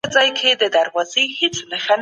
که تاسي کار ونه کړئ، عايد نه ترلاسه کوئ.